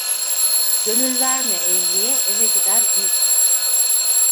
Gönül verme evliye; eve gider unutur.